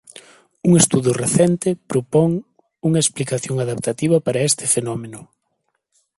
Un estudo recente propón unha explicación adaptativa para este fenómeno.